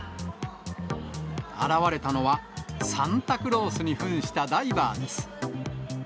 現れたのは、サンタクロースにふんしたダイバーです。